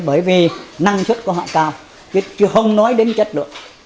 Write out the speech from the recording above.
bởi vì năng suất của họ cao chứ không nói đến chất lượng